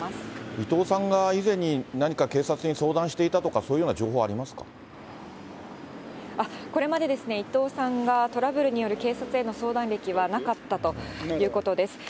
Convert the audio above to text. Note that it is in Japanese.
伊藤さんが以前に何か警察に相談していたとか、これまで、伊藤さんがトラブルによる警察への相談歴はなかったということです。